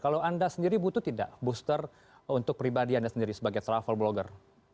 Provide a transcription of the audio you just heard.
kalau anda sendiri butuh tidak booster untuk pribadi anda sendiri sebagai travel blogger